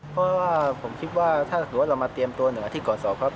เพราะว่าผมคิดว่าถ้าหรือว่าเรามาเตรียมตัวหนึ่งอาทิตย์ก่อนสอบครับ